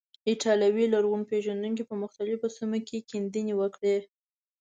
ایټالوي لرغون پیژندونکو په مختلفو سیمو کې کیندنې وکړې.